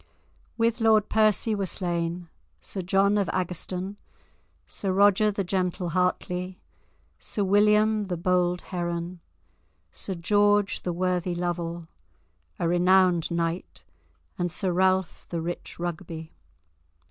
With Lord Percy were slain, Sir John of Agerstone, Sir Roger the gentle Hartly, Sir William the bold Heron, Sir George the worthy Lovel, a renowned knight, and Sir Ralph the rich Rugby.